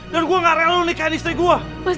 jangan tinggalin aku mas